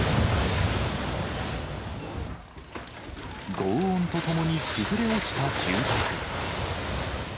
ごう音とともに崩れ落ちた住宅。